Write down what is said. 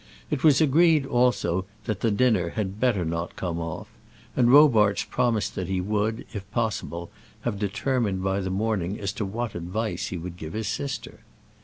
It was agreed also that the dinner had better not come off, and Robarts promised that he would, if possible, have determined by the morning as to what advice he would give his sister.